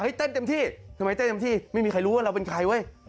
เต้นเต็มที่ทำไมเต้นเต็มที่ไม่มีใครรู้ว่าเราเป็นใครเว้ย